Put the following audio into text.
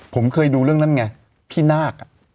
ผมเคยดูเรื่องนั้นไงพี่นาค